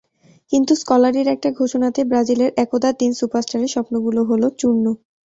কিন্তু স্কলারির একটা ঘোষণাতেই ব্রাজিলের একদা তিন সুপারস্টারের স্বপ্নগুলো হলো চূর্ণ।